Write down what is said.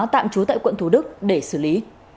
tạm trú tại quận thủ đức để xử lý